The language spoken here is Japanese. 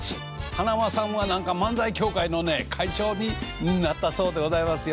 塙さんは何か漫才協会のね会長になったそうでございますよ。